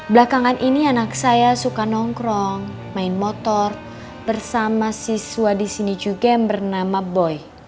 belakangan ini anak saya suka nongkrong main motor bersama siswa di sini juga yang bernama boy